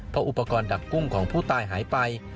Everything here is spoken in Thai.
เพราะอุปกรณ์ดักกุ้งของผู้ตายหายไป